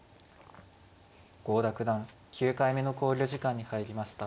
郷田九段９回目の考慮時間に入りました。